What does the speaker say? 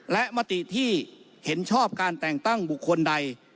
และมติที่เห็นชอบการแต่งตั้งบุคคลใด